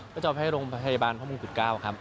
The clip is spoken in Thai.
ก็จะเอาไปให้โรงพยาบาลพระมงกุฎ๙ครับ